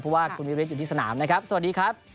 เพราะว่าคุณวิฤทธิอยู่ที่สนามนะครับสวัสดีครับ